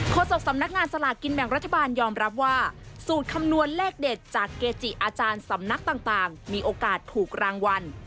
ศกสำนักงานสลากกินแบ่งรัฐบาลยอมรับว่าสูตรคำนวณเลขเด็ดจากเกจิอาจารย์สำนักต่างมีโอกาสถูกรางวัล